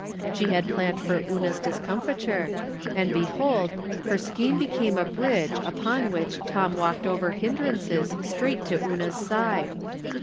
She had planned for Una's dis comfiture, and, behold, her scheme became a bridge upon which Tom walked over hindrances straight to Una's side.